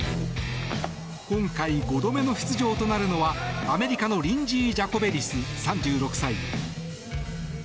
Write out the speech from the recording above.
今回５度目の出場となるのはアメリカのリンジー・ジャコベリス３６歳。